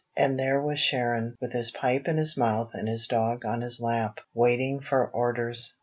And there was Sharon, with his pipe in his mouth and his dog on his lap, waiting for orders.